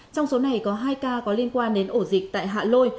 trong số này có hai ca có liên quan đến ổ dịch tại hạ lôi